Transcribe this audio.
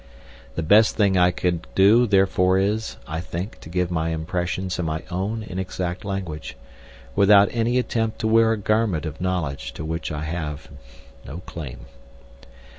The best thing I can do therefore is, I think to give my impressions in my own inexact language, without any attempt to wear a garment of knowledge to which I have no claim.